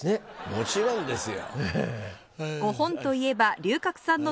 もちろんですよ。